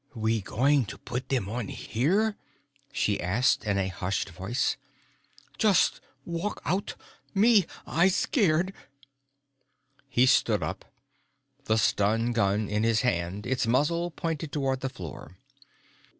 "We going to put them on here?" she asked in a hushed voice. "Just walk out? Me, I scared!" He stood up, the stun gun in his hand, its muzzle pointed toward the floor.